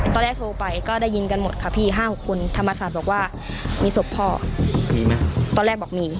โทรไปก็ได้ยินกันหมดค่ะพี่ห้าหกคนธรรมศาสตร์บอกว่ามีศพพ่อมีไหมตอนแรกบอกมี